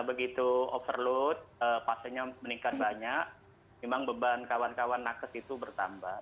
begitu overload pasiennya meningkat banyak memang beban kawan kawan nakes itu bertambah